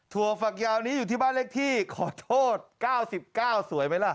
ฝักยาวนี้อยู่ที่บ้านเลขที่ขอโทษ๙๙สวยไหมล่ะ